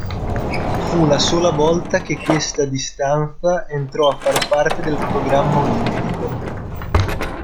Fu la sola volta che questa distanza entrò a far parte del programma olimpico.